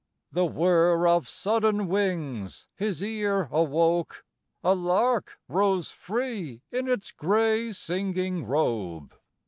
The whirr of sudden wings his ear awoke, A lark rose free in its grey singing robe.